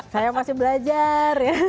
saya masih belajar